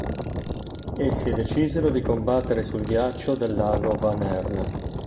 Essi decisero di combattere sul ghiaccio del Lago Vänern.